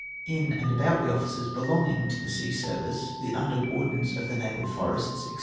in and about the offices belonging to the sea service, the under wardens of the naval forests, &c.